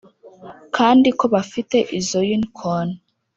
kandi ko bafite izo unicorn